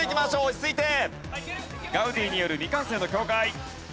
ガウディによる未完成の教会。